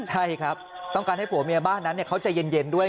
ใช่ครับต้องการให้ผัวเมียบ้านนั้นเขาใจเย็นด้วย